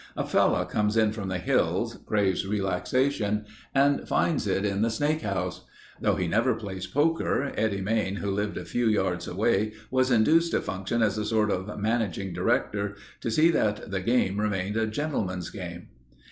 A fellow comes in from the hills, craves relaxation and finds it in the Snake House. Though he never plays poker, Eddie Main who lived a few yards away was induced to function as a sort of Managing Director, to see that the game remained a gentleman's game.